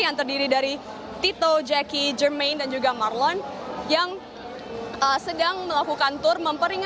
yang terdiri dari tito jackie jermaine dan juga marlon yang sedang melakukan tour memperingati